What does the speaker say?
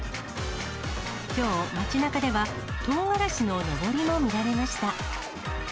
きょう、町なかでは、とうがらしののぼりも見られました。